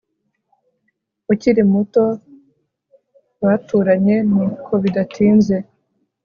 ukiri muto baturanye. nuko bidatinze